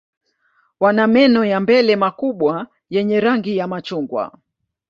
Wana meno ya mbele makubwa yenye rangi ya machungwa.